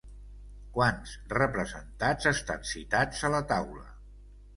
Quants representats estan citats a la Taula?